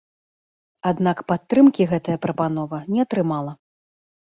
Аднак падтрымкі гэтая прапанова не атрымала.